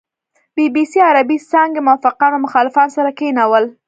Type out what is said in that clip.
بي بي سي عربې څانګې موافقان او مخالفان سره کېنول.